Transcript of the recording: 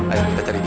ayo kita cari dia